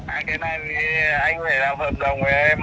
anh cái này thì anh phải làm hợp đồng với em